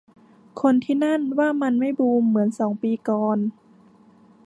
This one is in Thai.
คนที่นั่นว่ามันไม่บูมเหมือนสองปีก่อน